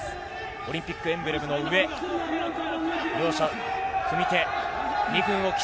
オリンピックエンブレムの上で両者、組み手。